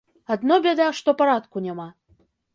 Адно бяда, што парадку няма.